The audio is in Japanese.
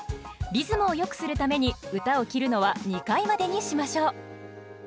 リズムをよくするために歌を切るのは２回までにしましょう。